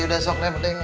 udah sok neng neng